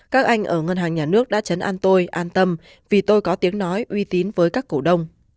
các anh ở ngân hàng nhà nước đã chấn an tôi an tâm vì tôi có tiếng nói uy tín với các cổ đông